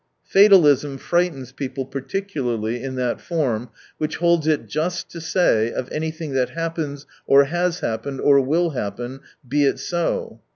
Fatalism frightens people particularly in that form which holds it just to say, of anything that happens, or has happened, or will happen : be it so